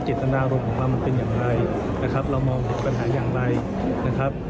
เจตนารมณ์ของเรามันเป็นอย่างไรนะครับเรามองถึงปัญหาอย่างไรนะครับ